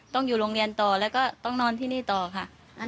ต้องอยู่โรงเรียนต่อแล้วก็ต้องนอนที่นี่ต่อค่ะ